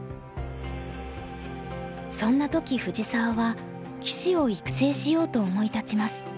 そんな時藤澤は棋士を育成しようと思い立ちます。